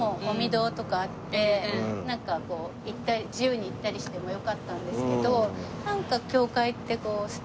なんかこう自由に行ったりしてもよかったんですけど。